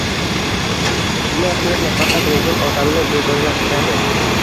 Shunday qilib, nafaqat rejim odamni begonalashtiradi